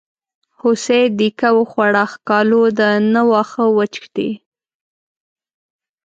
هوسۍ دیکه وخوړه ښکالو ده نه واښه وچ دي.